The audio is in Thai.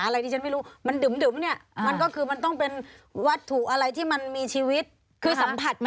แล้วก็มันนุ่มมันจะเป็นสิ่งมีชีวิตนะคะ